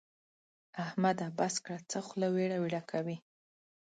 احمده! بس کړه؛ څه خوله ويړه ويړه کوې.